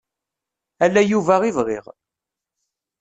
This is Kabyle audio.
Ala Yuba i bɣiɣ.